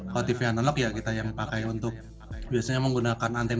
kalau tv analog ya kita yang pakai untuk biasanya menggunakan antreet